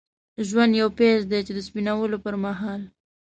ژوند یو پیاز دی چې د سپینولو پرمهال.